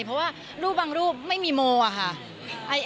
เพราะว่ารูปบางรูปไม่มีโมอะค่ะ